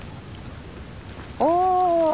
お。